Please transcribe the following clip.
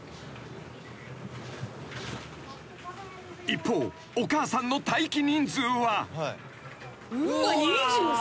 ［一方お母さんの待機人数は］